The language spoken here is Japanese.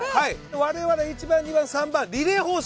我々１番２番３番リレー方式？